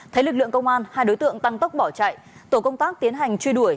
thấy lực lượng công an hai đối tượng tăng tốc bỏ chạy tổ công tác tiến hành truy đuổi